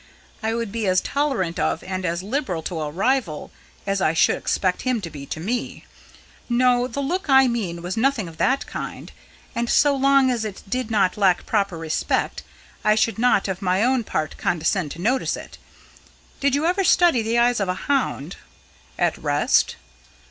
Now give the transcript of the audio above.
I would be as tolerant of and as liberal to a rival as I should expect him to be to me. No, the look I mean was nothing of that kind. And so long as it did not lack proper respect, I should not of my own part condescend to notice it. Did you ever study the eyes of a hound?" "At rest?"